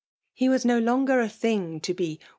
He Vtas no longer a thing td be .